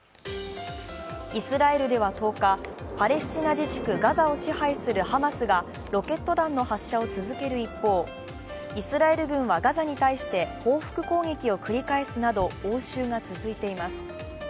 イスラエルでは１０日、パレスチナ自治区ガザを支配するハマスがロケット弾の発射を続ける一方、イスラエル軍はガザに対して報復攻撃を繰り返すなど応酬が続いています。